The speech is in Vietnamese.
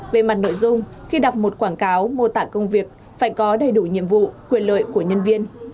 về mặt nội dung khi đọc một quảng cáo mô tả công việc phải có đầy đủ nhiệm vụ quyền lợi của nhân viên